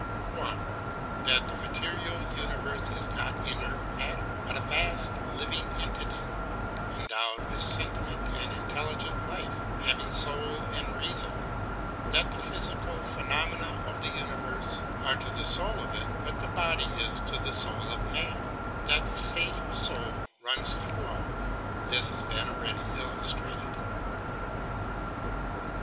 (1) That the material universe is not inert matter, but a vast living entity, endowed with sentient and intelligent life, having soul and reason ; that the physical phenomena of the universe are to the soul of it what the body is to the soul of man ; that the same soul runs through all. This has been already illustrated.